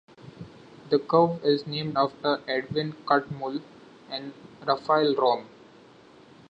The curve is named after Edwin Catmull and Raphael Rom.